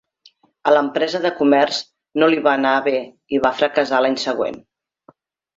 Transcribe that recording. A l'empresa de comerç no li va anar bé i va fracassar a l'any següent.